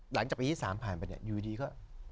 หลังจากปีที่๓ผ่านไปเนี่ยอยู่ดีก็